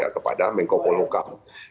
ya kepada mengkopol hukam